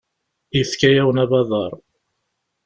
Yefka-yawen abadaṛ.